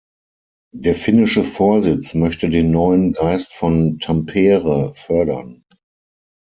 Der finnische Vorsitz möchte den neuen Geist von Tampere fördern.